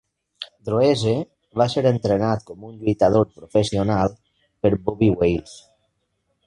Droese va ser entrenat com un lluitador professional per Bobby Wales.